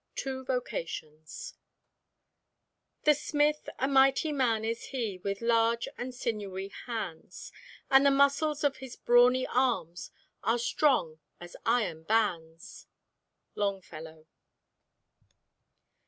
TWO VOCATIONS "The smith, a mighty man is he With large and sinewy hands; And the muscles of his brawny arms Are strong as iron bands." Longfellow.